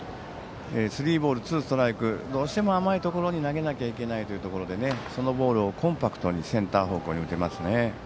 スリーボール、ツーストライクどうしても甘いところに投げなきゃいけないところでそのボールをコンパクトにセンター方向に打てますね。